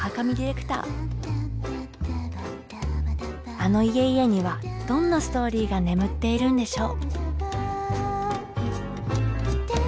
あの家々にはどんなストーリーが眠っているんでしょう。